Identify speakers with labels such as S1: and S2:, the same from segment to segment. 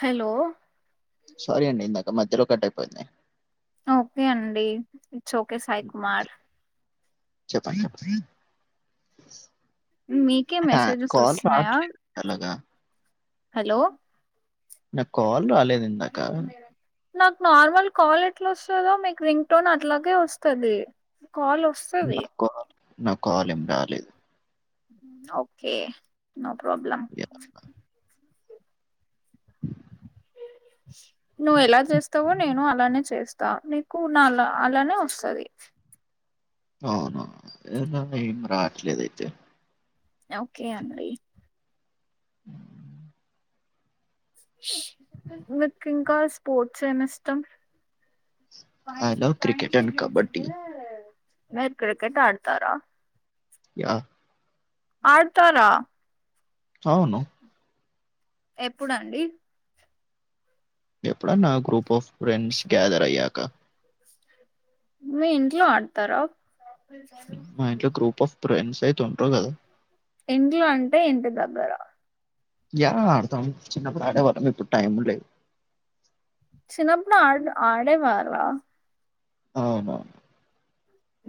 S1: Hello
S2: sorry అండి ఇందాక మధ్యలో కట్ అయిపోయింది
S1: ఆ ఓకే అండి ఇట్స్ ఓకే సాయి కుమార్
S2: చెప్పండి
S1: మీకే
S2: నాకా
S1: మెసేజెస్
S2: కాల్
S1: వస్తున్నాయా
S2: రావట్లేదు అలాగా
S1: హలో
S2: నా కాల్ రాల్ లేదు ఇందాకా
S1: నాకు నార్మల్ కాల్ ఎట్లా వస్తదో మీకు రింగ్ టోన్ అట్లాగే వస్తది కాల్ వస్తది
S2: నా కాల్ నా కాల్ ఏం రాలేదు
S1: ఓకేే నో ప్రాబ్లమ్
S2: యా,
S1: నువ్వు ఎలా చేస్తావో నేను అలానే చేస్ త నీకు నాల అలానే వస్తది
S2: అవును ఏం [unintelligible] రావట్లేదు అయితే
S1: ఒకే అండి మీక్ ఇంకా స్పోర్ట్స్ ఎం ఇష్టం ప
S2: ఐ లవ్ క్రికెట్ అండ్
S1: పైసర్
S2: కబడ్డీ
S1: వసుంగ మీర్ క్రికెట్ ఆడతారా
S2: య
S1: ఆడతారా
S2: అవును
S1: ఎప్పుడండి
S2: ఎప్పుడన్నా గ్రూప్ ఆఫ్ ఫ్రెండ్స్ గ్యాదర్ అయ్యాక
S1: మీ ఇంట్లో ఆడతారా
S2: ఇ గ్రూప్ ఫ ఫ్రెండ్స్ తంట కదా
S1: ఇంట్లో అంటే ఇంటి దగ్గర
S2: యా అర్తం చిన్న ప్రాడ వర్ మీ ఇప్పుడు టైము లేదు
S1: చిన్నప్పున ఆడ ఆడేవార
S2: అనును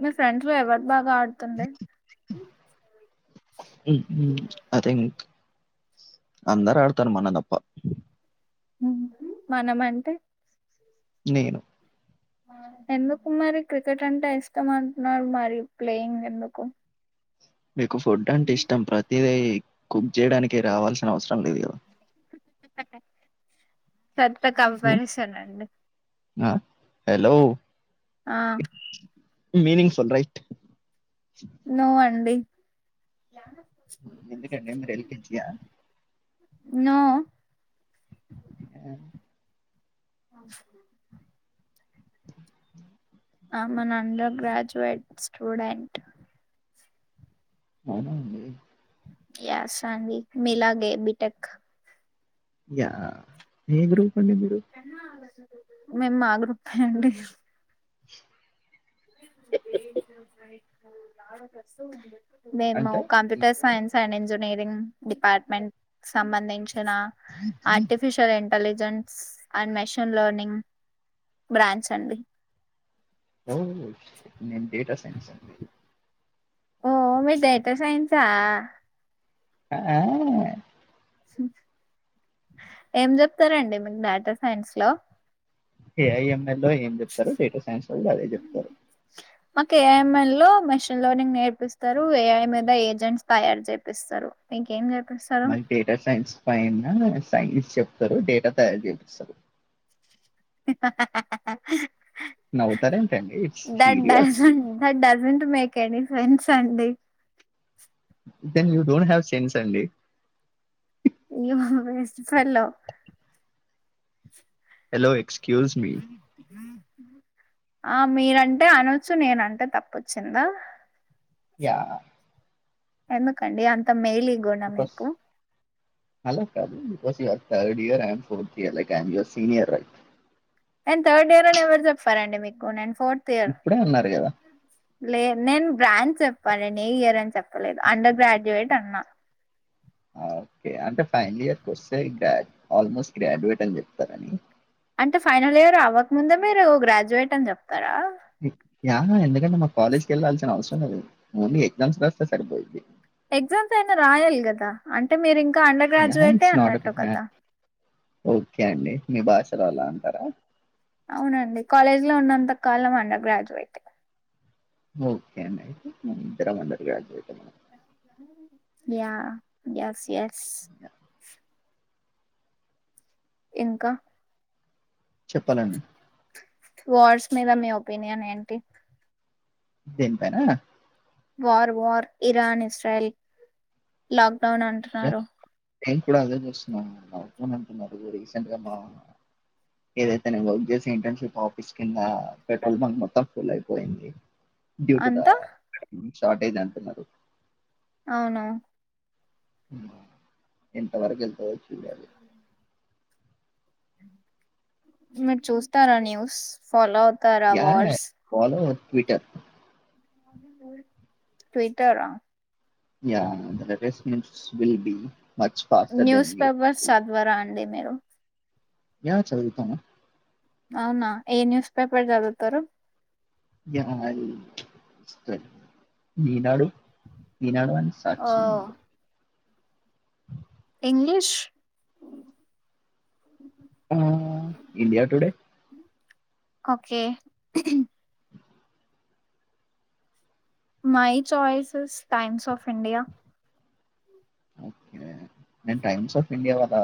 S1: మ సెంట్రో అవ బాగా ఆడుతుండే
S2: అథ అందరూ ఆడతారు మన తప్ప
S1: మనం అంటే
S2: నేను
S1: ఎందుకు మరి క్రికెట్ అంటే ఇష్టం అంటున్నారు మరి ప్లేయింగ్ ఎందుకు
S2: మీకు ఫుడ్ అంటే ఇష్టం ప్రతదీ కుక్ చేయడానినికి రావాల్సిన అవసరం లేదు ఇవ
S1: పెత్త కంపరిషన్ అండి
S2: ఆ హలో
S1: ఆ
S2: మీనింగ్ ఫుల్ రైట్
S1: నో అండి
S2: ఎందుకండి మ రెల్ కేజీయా
S1: నో
S2: ఆ
S1: అ అమ నాన్నలో గ్రాజుయేట్ స్టూడెంట్
S2: అవునా అండి
S1: ఎస్ అండి మెలాగే బిటెక్
S2: [unintelligible]
S1: ఎన్న ఆలదు మేము మా గ్రూప్ హే అండి [inaudible] నా రస ఉంట మేము
S2: అంటే
S1: computer science and engineering department సంబంధించి [unintelligible] artificial M intelligence and machine learning branch అండి
S2: నేన్ డేటా సైన్స్ అండి
S1: ఓ మీర్ డేటా సైన్స్ హా
S2: ఆ
S1: ఏం చెప్తారండి మీకు డేటా సైన్స్ లో
S2: ఏ ఐఎంఎ లో ఏం చెప్తారు డేటా సైన్స్ అ అదే చెప్తారు
S1: మాకు ఏఐంఎ లో మెషిన్ లెర్నింగ్ నేర్పిస్తారు ఏఐ మీద ఏజెంట్స్ తయారు చేపిస్తారు మీకేం చెారు
S2: మరి డేటా సైన్స్ ఫై సైన్స్ చెప్తారు డేటా తయారు చేపిస్తారు నవ్వుతారేంటండి ఇట్స్
S1: ఆ
S2: సీరియస్
S1: డాజ డాజంట్ మ కనీ fun Sunday
S2: then you don't have sense అండి
S1: ఇప్పలో
S2: హలో ఎక్స్ క్యూజ్ మీ
S1: ఆ మీరంటే అనొచ్చు నేనంటే తప్ప వచ్చిందా
S2: యా
S1: ఎందు కండి అంత మేలి గ మీకు
S2: bus your third ఇయర్ండ్ and ఇఅం fourth year ఇఅం your senior right
S1: నేను థర్డ్ ఇయర్ అని ఎవరు చెప్పారండి మీకు నేను ఫోర్త్ ఇయర్
S2: ఇప్పుడే అన్నారు కదా
S1: లే నేను బ్రాంచ్ చెప్ పన్ననే ఇయర్ అని చెప్పలేదు అండర్ గ్రాడ్యుయేట్ అన్నా
S2: ఓకే అంటే ఫైనల్ ఇయర్ క వస్తే గ ఆల్మోస్ట్ గ్రాడ్యుయేట్ అని చెప్తారని
S1: అంటే ఫైనల్ ఇయర్ అవ్వక ముందు మీరు గ్రాడ్యుయేట్ అని చెప్పారు తరా
S2: యా ఎందుకంటే మా కాలేజీకి ఎలాల్సిన అవసరమే లేదు ఓన్లీ ఎగ్జామ్స్ రాస్తాయి సరిపోంది
S1: ఎగ్జామ్స్ అయినా రాయాలి కదా అంటే మీర్ ఇంక్ కా అండర్
S2: యా
S1: గ్రాడ్యుజు అయితే
S2: ఇట్స్ నాట్ అ
S1: అన్నట్టు
S2: బిగ్
S1: కదా
S2: మ్యాట్ ఓకే అండి మీభాషలో అలా అంటారా
S1: ఇంట్లో ఉన్నంత కాలం అండర్ గ్రాడ్యుయేట్
S2: ఓకే అండి అయితే మన ఇద్దరం under graduate
S1: yeah yes yeah ఇంకా
S2: చెప్పలండి
S1: వాయిస్ మీద మీ ఒపీనియన్ ఏంటి
S2: దేనిపైనా
S1: వార్ వర్ ఇరానీ స్ట్రాయిల్ లాక్ రాను అంటున్నారు
S2: నేను కూడా అదే చూస్తున్నా అవసరం అనుకున్న డెలివరిస్ ఎన్నిటిదమా ఏదైతే నేమ్ వర్క్ చేసి ఇంటర్న్షిప్ ఆఫీస్ కింద పెట్రోల్ బంక్ మొత్తం ఫుల్ అయిపోయింది బ్యూతదా
S1: అంతా
S2: షార్ట్ అయింది అంటున్నారు
S1: అవును
S2: ఎంత వరకు ఎల్తదో పిల్లల్లీ
S1: మీరు చూస్తారా న్యూస్ ఫాలో అవు
S2: య ఫాలో అవుత్ ట్విట్టర్
S1: ట్విట్టరా
S2: యా ద డస్మెల్స్ సిమ్లాబీ
S1: న్యూస్ పేపర్స్ సద్వారండి మీర్ టో
S2: యా చదువుతాను
S1: అవునా ఏ న్యూస్ పేపర్ జదువుతారు
S2: yeah Eenadu Eenadu and
S1: oh
S2: Sakshi
S1: English
S2: yeah India Today
S1: okay my choices Times of India
S2: okay నేను టైమ్స్ ఆఫ్ ఇండియా వాళ్ల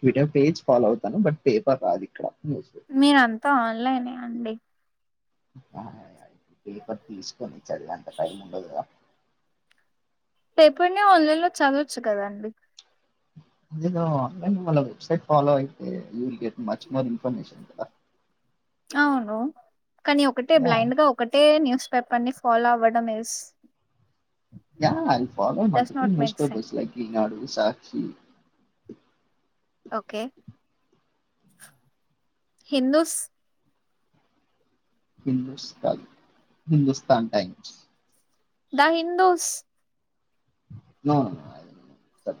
S2: ట్విటర్ పేజ్ ఫాలో అవుతాను బట్ పేపర్ రాదు ఇక్కడ న్యూస్
S1: మీరంతా ఆల్ ఇలానే అండి
S2: బాయ్ అయ్ పేపర్ తీసు చమించాలి అంత టైం ఉండదుగా
S1: పేపరునే ఆన్లైన్ లో చదవచ్చు కదా
S2: ఎమ్ వెబ్ సెట్ ఫాలో యితే you will get much more information కదా
S1: అవును కని ఒకటే
S2: యా
S1: బ్లైండ్ గా ఒకటే న్యూస్ పేపర్ ని ఫాలో అవడం yes
S2: yeah all follow must be mister
S1: సెన్
S2: bus like Eenadu Sakshi
S1: okay Hindus
S2: Hindustan Hindustan Times
S1: the Hindus
S2: no no no I will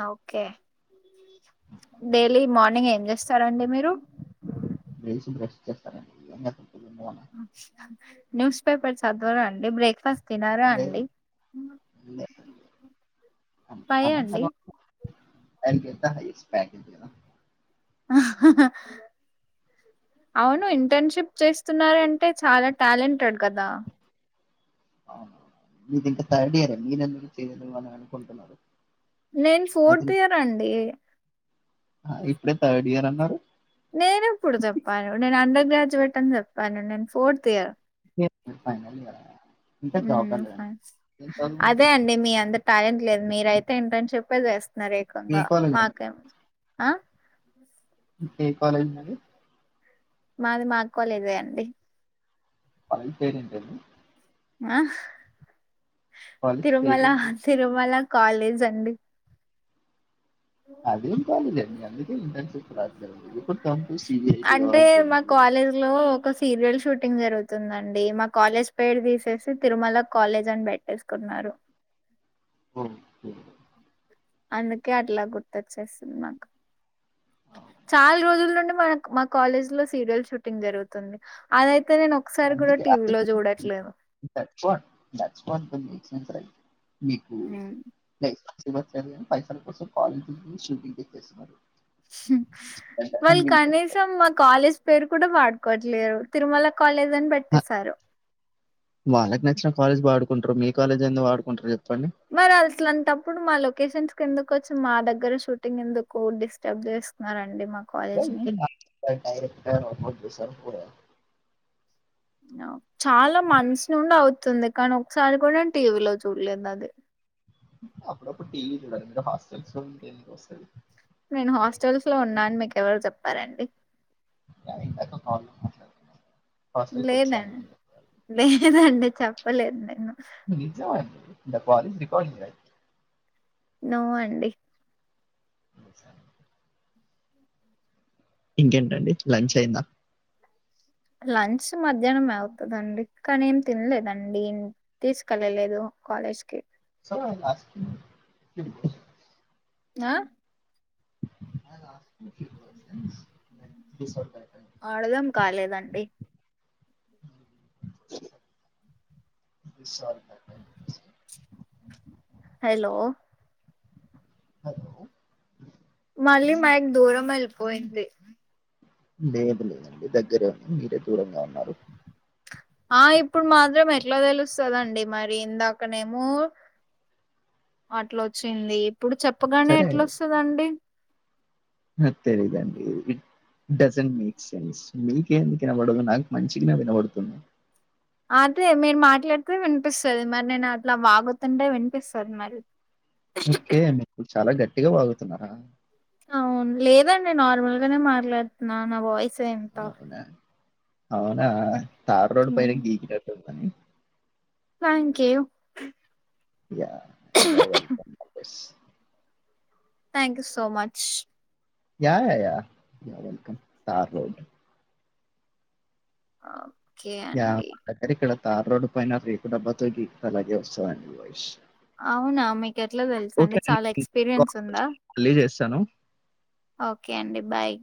S1: ఆ ఓకే డైలీ మార్నింగ్ ఏం చేస్తారండి మీరు
S2: లేసి బ్రష్ చేస్తానండి అయినక
S1: [inaudible] న్యూస్ పేపర్స్ చదవర అండి బ్రేక్ఫాస్ తినరా
S2: లే
S1: అండి
S2: లే
S1: వై అండి
S2: I will get the highest package you know
S1: అవును ఇంటర్న్షిప్ చేస్తున్నారంటే చాలా టాలెంటెడ్ కదా
S2: అవునవును మీది ఇంకా తర్డియరే మీరు ఎందుకు చేయ్యేద్దు అని అనుకుంటున్నారు
S1: నేను
S2: అది
S1: ఫోర్త్ ఇయర్ అండి
S2: ఆ, ఇప్పుడే థర్డియర్ అన్నారు
S1: నేను ఎప్పుడు చెప్పాను నేను అండర్ గ్రాడ్జుయేట్ అని చెప్పాను నేను ఫోర్త్ ఇయర్
S2: ఫైనల్ ఇయర్ ఇంకా జాబ్
S1: మ్
S2: రాలేదండి ఏం చదువు మరి
S1: అదే అండి మీ అంద టాలెంట్ లేదు మీరయితే ఎంట్రన్షిప్పే చేస్
S2: ఏ
S1: స్తున్నరేకంగా
S2: కాలేజ్ అండి
S1: మాకేం అ
S2: ఏ కాలేజ్ మీది
S1: మాది మా కాలేజ్ ఎ అండి
S2: కాలేజ్ పేరు ఏం పేరు
S1: అహ్
S2: కాలేజ్
S1: తిరుమల హ
S2: పేరేంటి
S1: తిరుమల కాలేజ్ అండి
S2: అదేం కాలేజండి అందుకే ఇంటర్న్షిప్ రావట్లేదు ఇప్పుడు కమ్ టు సిబిఐటి
S1: అంటే
S2: కావాల ఏంటే ఎం
S1: మా
S2: జేయ్యాలి
S1: కాలేజ్ లో ఒక సీరియల్ షూటింగ్ జరుగుతుందండి మా కాలేజ్ పేరు తీసేసి తిరుమల కాలేజ్ అని బెట్టేసుకున్నారు
S2: ఓహ్
S1: అందుకే అట్లా గుర్తొచ్చేస్తుంది మాకు చాలా రోజుల నుండి మనకు మాకు కాలేజ్ లో సీరియల్ షూటింగ్ జరుగుతుంది అదై
S2: అందుకే [unintelligible] కొ మీకు
S1: హ్మ్.
S2: లై కాని పైసల కోసం కాలేజీ నీ షూటింగ్ కిచ్చేస్తున్నారు
S1: వాళ్ళు
S2: రైట్
S1: కనీసం మా కాలేజ్ పేరు కూడా వాడు కొట్లేరు తిరుమల కా
S2: ఆ వాళ్ళక్ నచ్చిన కాలేజ్ వాడు కుంట్రూ మీ కాలేజ్ ఎందుకు వాడుకుంట్రు చెప్
S1: మరి అసలంటప్పుడు మల్ ఒకేషన్స్ ఎందుకు వచ్చి మా దగ్గర షూటింగ్ ఎందుకు డిస్టర్బ్ చేస్తున్నారండి మాక్
S2: [unintelligible] డైరెక్ట [unintelligible] సరిపోయారు
S1: చాలా మంత్స్ నుండి అవుతుంది కానీ ఒకసారి కూడాే టీవీలో చూడలేదు అది
S2: అప్పుడప్పుడు టీవీ చూడాలి మీరు హాస్టల్స్ లో ఉంటే ఎందుకు వస్తది
S1: నేను హాస్టల్స్ లో ఉన్నా అని మీకెవరు చెప్పారండి
S2: [unintelligible] ప్రబ్ల
S1: లేదండి లేదండి చెప్పలేదు నేను
S2: నిజమండి the call is recording right
S1: no అండి
S2: బ స ఇంకేంటండి లంచ్ అయిందా
S1: లంచ్ మధ్యాహ్నం మే అవుతదండి కానీ ఏం తినలేదండి తీసుకెళ్ళలేదు కాలేజ్ కి
S2: [inaudible]
S1: ఆ
S2: [inaudible]
S1: [unintelligible]
S2: [inaudible]
S1: అర్థం కాలేదండి
S2: [inaudible]
S1: హలో
S2: హలో
S1: మళ్ళీ మైకు దూరం ఎళ్ళిపోయింది
S2: లేదు లేదండి దగ్గరే ఉంది మీరే దూరంగా ఉన్నారు
S1: ఆ ఇప్పుడు మాత్రం ఎట్లా తెలుస్తుందండి మరి ఇందాకనేమో అట్లొచ్చింది ఇప్పుడు చెప్పగానే ఎట్లొస్తుదండి
S2: తెలీదుండి ఇట్ డజంట్ మేక్ సెన్స్ మీకే ఎందుకువినబడదు నాకు మంచిగానే వినబడుతుంది
S1: అదే మీరు మాట్లాడితే వినిపిస్తది మరి నేను అట్లా వాగుతుంటే వినిపిస్తది మరి
S2: ఒకే మీకు చాలగట్ వాగుతున్నారా
S1: అవును లేదండి నార్మల్ గానే మాట్లాడుతున్నా నా వాయిస్ సే అంత
S2: అవునా! అవునా తార్ రోడ్డు పైన గికినట్టుంది అని
S1: thank you
S2: yeah! You are welcome bus.
S1: Thank you so much
S2: yeah yeah you're welcome tar road
S1: ఆ
S2: యా ఎక్కడ ఇక్కడ తార్ రోడ్డు పైన రేకు డబ్బాతో గీకితె అలాగే వస్తదండి మీ వాయిస్
S1: అవునా మీకు ఎట్లా తెలుస అండి
S2: ఓకే. నేను
S1: చాలా
S2: మీకు
S1: ఎక్స్పీరియన్స్
S2: కాల్
S1: ఉందా
S2: మళ్ళీ చేస్తాను.
S1: ఓకే అండి బాయ్